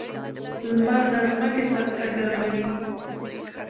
• لمر د ځمکې سطحه ګرموي.